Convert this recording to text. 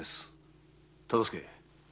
忠相。